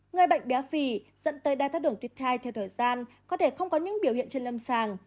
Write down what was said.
người bệnh béo phì dẫn tới đáy thác đường tuyết thai theo thời gian có thể không có những biểu hiện trên lâm sàng